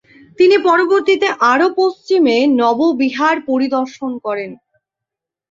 তিনি পরবর্তিতে আরো পশ্চিমে নব বিহার পরিদর্শন করেন।